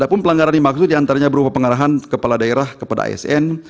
dan juga pelanggaran dimaksud diantaranya berupa pengarahan kepala daerah kepada asn